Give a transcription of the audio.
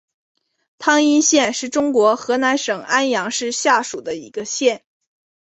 汤阴县是中国河南省安阳市下属的一个县。